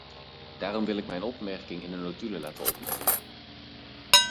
Daarom wil ik mijn opmerking in de notulen laten opnemen.